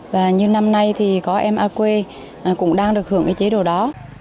và như năm nay thì có em a quê cũng đang được hưởng cái chế độ đó